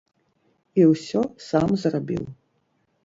І ўсё сам зрабіў.